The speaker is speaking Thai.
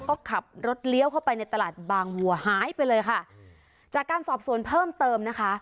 ก็ขับรถเลี้ยวเข้าไปในตลาดบางวัวหายไปเลยค่ะจากการสอบสวนเพิ่มเติมนะคะ